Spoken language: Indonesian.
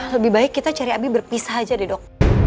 lebih baik kita cari abi berpisah aja deh dok